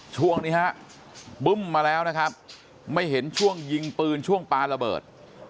ช่วงนี้ฮะบึ้มมาแล้วนะครับไม่เห็นช่วงยิงปืนช่วงปลาระเบิด